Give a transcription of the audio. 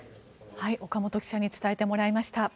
岡本記者に伝えてもらいました。